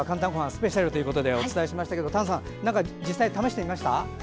スペシャルということでお伝えしましたけど丹さん、実際試してみました？